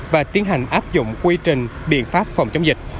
và tiến hành áp dụng quy trình biện pháp phòng chống dịch